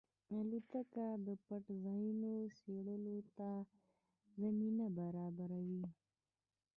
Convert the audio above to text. الوتکه د پټ ځایونو څېړلو ته زمینه برابروي.